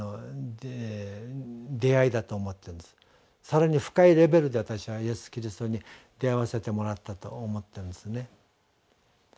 更に深いレベルで私はイエス・キリストに出会わせてもらったと思ってるんですね。